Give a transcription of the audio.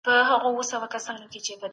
ازمایښتي څېړنه په دقت سره پرمخ وړئ.